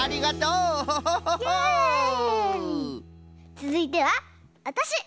つづいてはわたし！